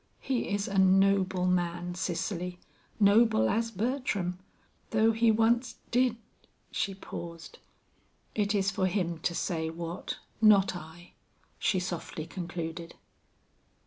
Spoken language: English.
He is a noble man, Cicely, noble as Bertram, though he once did " She paused. "It is for him to say what, not I," she softly concluded.